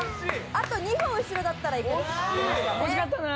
あと２歩後ろだったらいけましたね。